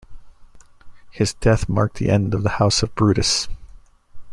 His death marked the end of the house of Brutus.